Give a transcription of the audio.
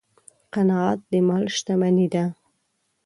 قناعت د مال شتمني ده.